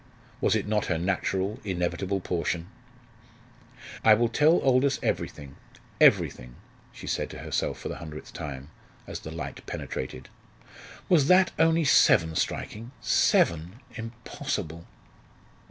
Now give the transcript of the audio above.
Was it not her natural, inevitable portion? "I will tell Aldous everything everything," she said to herself for the hundredth time, as the light penetrated. "Was that only seven striking seven impossible!"